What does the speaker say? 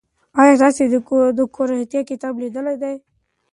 آیا تاسې د دورکهایم کتاب لیدلی دی؟